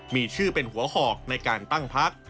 มีชื่อเป็นหัวหอกในการตั้งพัก